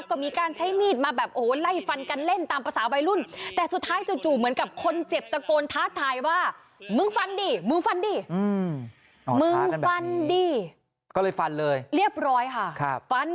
ก็มีการใช้มีดมาไล่ฟันกันเล่นตามภาษาวัยรุ่น